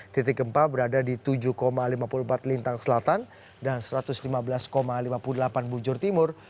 titik gempa berada di tujuh lima puluh empat lintang selatan dan satu ratus lima belas lima puluh delapan bujur timur